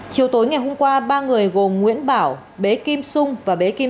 chiều tối ngày hôm qua ba người gồm nguyễn bảo bế kim sung và bế kim